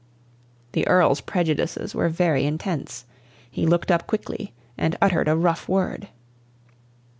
The Earl's prejudices were very intense. He looked up quickly and uttered a rough word.